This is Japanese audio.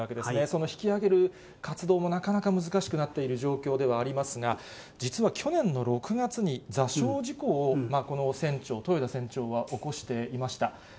その引き上げる活動もなかなか難しくなっている状況ではありますが、実は去年の６月に座礁事故をこの船長、豊田船長は起こしていました。